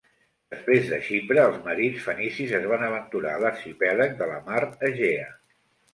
Després de Xipre, els marins fenicis es van aventurar a l'arxipèlag de la mar Egea.